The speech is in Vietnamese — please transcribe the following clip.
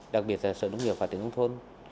đặc biệt là sở nông nghiệp và tỉnh nông thôn